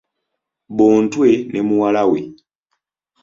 Bontwe ne muwala we.